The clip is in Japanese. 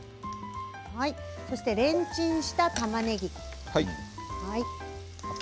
そしてレンチンした、たまねぎ。